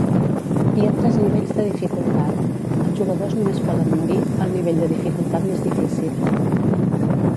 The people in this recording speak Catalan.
Hi ha tres nivells de dificultat; els jugadors només poden "morir" al nivell de dificultat més difícil.